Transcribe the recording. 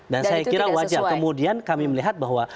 dan saya kira wajar kemudian kami melihat bahwa